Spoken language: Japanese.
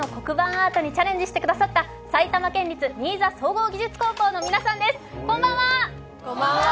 アートにチャレンジしてくださった埼玉県立新座総合高校の皆さんです。